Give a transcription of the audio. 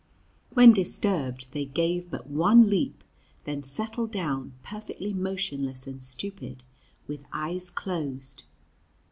When disturbed, they gave but one leap, then settled down, perfectly motionless and stupid, with eyes closed.